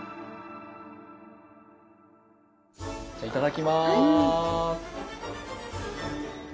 じゃあいただきます。